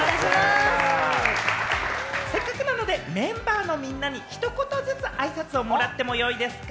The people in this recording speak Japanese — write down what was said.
せっかくなのでメンバーのみんなに一言ずつ挨拶をもらっても良いですか？